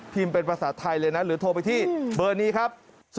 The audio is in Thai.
เป็นภาษาไทยเลยนะหรือโทรไปที่เบอร์นี้ครับ